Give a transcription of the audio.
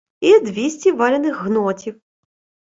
І двісті валяних гнотів.